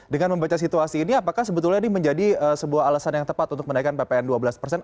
dengan membaca situasi ini apakah sebetulnya ini menjadi sebuah alasan yang tepat untuk menaikkan ppn dua belas persen